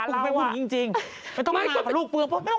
ไม่มีอย่างนี้จริงไม่ต้องมาเพราะลูกเบื้อง